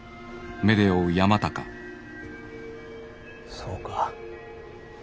そうか。